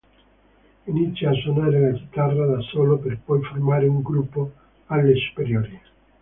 Inizia a suonare la chitarra da solo per poi formare un gruppo alle superiori.